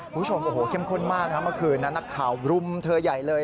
ผู้ชมเข้มข้นมากเมื่อคืนนั้นนักข่าวรุมเธอใหญ่เลย